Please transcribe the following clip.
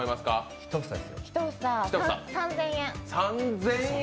１房３０００円？